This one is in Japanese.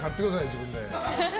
自分で。